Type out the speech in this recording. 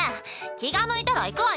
気が向いたら行くわよ。